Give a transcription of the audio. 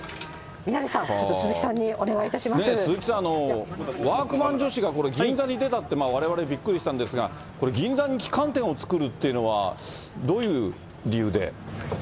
宮根さん、鈴木さん、ワークマン女子がこれ、銀座に出たって、われわれ、びっくりしたんですが、これ、銀座に旗艦店を作るっていうのは、どういう理由で？